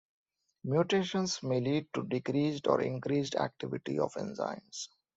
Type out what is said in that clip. Mutations may lead to decreased or increased activity of enzymes.